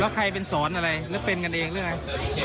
ใครเป็นสอนอะไรหรือเป็นกันเองหรืออะไร